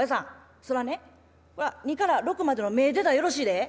そらね２から６までの目出たらよろしいで。